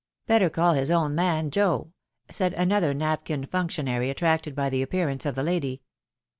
" Better call his own man, Joe," said another napkin functionary, attracted by the appearance of the lady.